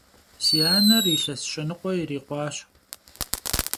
Si aner yilhes şenıkhue yirikhuaş.